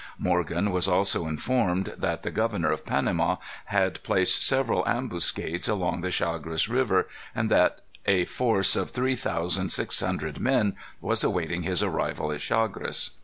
Morgan was also informed that the governor of Panama had placed several ambuscades along the Chagres River, and that a force of three thousand six hundred men was awaiting his arrival at Chagres.